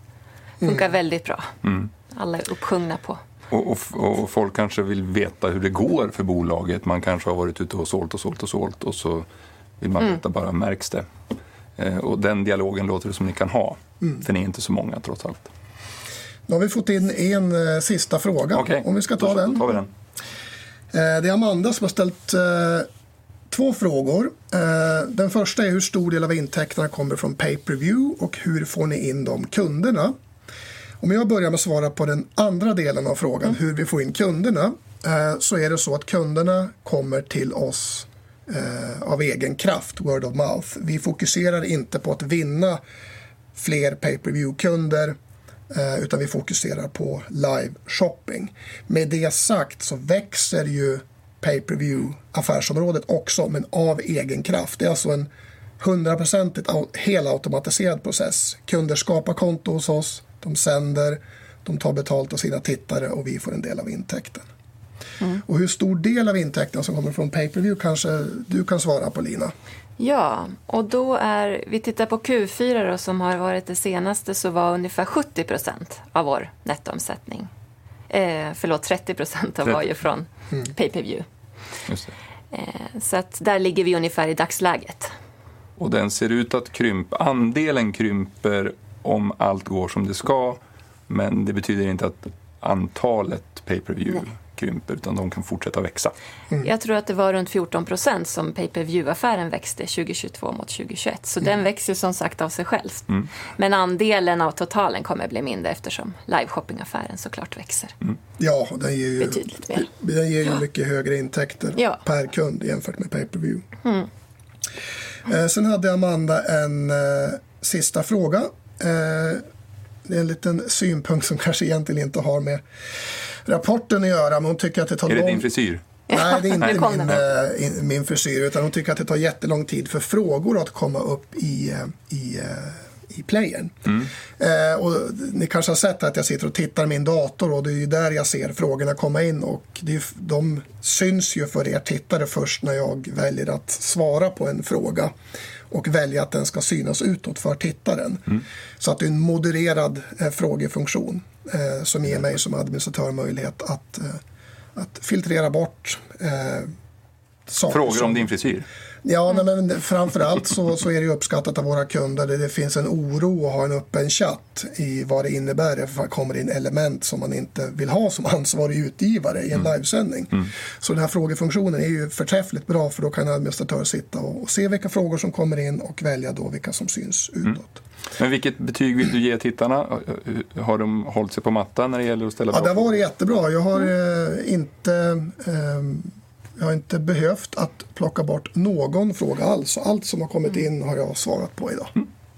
funkar väldigt bra. Alla är uppsjunga på. Folk kanske vill veta hur det går för bolaget. Man kanske har varit ute och sålt och sålt och sålt och så vill man veta bara märks det? Den dialogen låter det som ni kan ha. För ni är inte så många trots allt. Nu har vi fått in en sista fråga om vi ska ta den? Då tar vi den. Det är Amanda som har ställt 2 frågor. Den första är hur stor del av intäkterna kommer från pay-per-view och hur får ni in de kunderna? Om jag börjar med att svara på den andra delen av frågan, hur vi får in kunderna, så är det så att kunderna kommer till oss av egen kraft, word of mouth. Vi fokuserar inte på att vinna fler pay-per-view-kunder, utan vi fokuserar på live shopping. Med det sagt så växer ju pay-per-view affärsområdet också, men av egen kraft. Det är alltså en 100% helautomatiserad process. Kunder skapar konto hos oss, de sänder, de tar betalt av sina tittare och vi får en del av intäkten. Hur stor del av intäkten som kommer från pay-per-view kanske du kan svara på, Lina? vi tittar på Q4 som har varit det senaste, så var ungefär 70% av vår nettoomsättning. Förlåt, 30% av var ju från pay-per-view. Just det. Där ligger vi ungefär i dagsläget. Den ser ut att krympa. Andelen krymper om allt går som det ska, men det betyder inte att antalet pay-per-view krymper, utan de kan fortsätta växa. Jag tror att det var runt 14% som pay-per-view-affären växte 2022 mot 2021. Den växer som sagt av sig själv. Andelen av totalen kommer att bli mindre eftersom live shopping-affären så klart växer. Ja, den ger ju, den ger ju mycket högre intäkter per kund jämfört med pay-per-view. Amanda hade en sista fråga. Det är en liten synpunkt som kanske egentligen inte har med rapporten att göra, men hon tycker att det tar. Är det din frisyr? Nej, det är inte min frisyr, utan hon tycker att det tar jättelång tid för frågor att komma upp i playern. Ni kanske har sett att jag sitter och tittar i min dator och det är ju där jag ser frågorna komma in. De syns ju för er tittare först när jag väljer att svara på en fråga och välja att den ska synas utåt för tittaren. Det är en modererad frågefunktion som ger mig som administratör möjlighet att filtrera bort. Frågor om din frisyr. Framför allt är det uppskattat av våra kunder. Det finns en oro att ha en öppen chat i vad det innebär ifall det kommer in element som man inte vill ha som ansvarig utgivare i en livesändning. Den här frågefunktionen är ju förträffligt bra för då kan en administrator sitta och se vilka frågor som kommer in och välja då vilka som syns utåt. Vilket betyg vill du ge tittarna? Har de hållit sig på mattan när det gäller att ställa frågor? Det har varit jättebra. Jag har inte, jag har inte behövt att plocka bort någon fråga alls. Allt som har kommit in har jag svarat på i dag.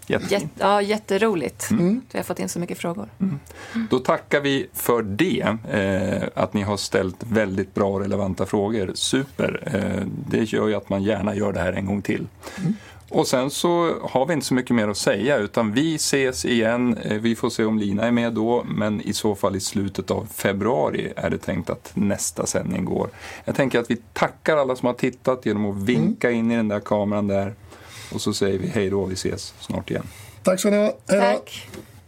Jättefint. Jätteroligt du har fått in så mycket frågor. Då tackar vi för det. Att ni har ställt väldigt bra och relevanta frågor. Super! Det gör ju att man gärna gör det här en gång till. Sen så har vi inte så mycket mer att säga, utan vi ses igen. Vi får se om Lina är med då, men i så fall i slutet av februari är det tänkt att nästa sändning går. Jag tänker att vi tackar alla som har tittat genom att vinka in i den där kameran där. Så säger vi hej då, vi ses snart igen. Tack ska ni ha. Hej då. Tack